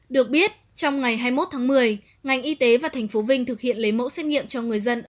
được biết trong ngày hai mươi một tháng một mươi ngành y tế và thành phố vinh thực hiện lấy mẫu xét nghiệm cho người dân